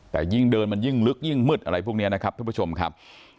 แต่ยิ่งเดินมันยิ่งลึกยิ่งมืดอะไรพวกนี้นะครับทุกผู้ชมครับ